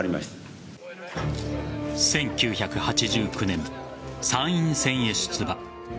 １９８９年、参院選へ出馬。